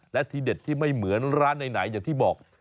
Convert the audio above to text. และทีเด็ดที่ไม่เหมือนร้านไหนอย่างที่บอก